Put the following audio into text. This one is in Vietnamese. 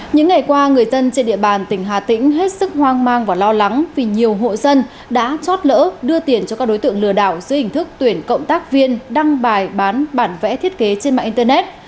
những ngày qua người dân trên địa bàn tỉnh hà tĩnh hết sức hoang mang và lo lắng vì nhiều hộ dân đã chót lỡ đưa tiền cho các đối tượng lừa đảo dưới hình thức tuyển cộng tác viên đăng bài bán bản vẽ thiết kế trên mạng internet